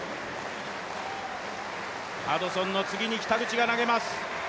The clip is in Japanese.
ハドソンの次に北口が投げます。